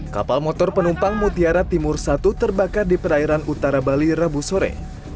kapal motor penumpang mutiara timur satu terbakar di perairan utara bali rabu sore